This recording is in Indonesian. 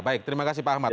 baik terima kasih pak ahmad